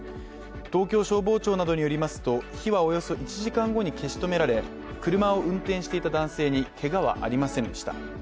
東京消防庁などによりますと火はおよそ１時間後に消し止められ車を運転していた男性にけがはありませんでした。